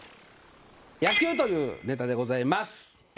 「野球」というネタでございます